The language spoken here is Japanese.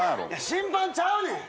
審判ちゃうねん！